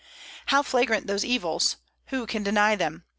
How flagrant those evils! Who can deny them?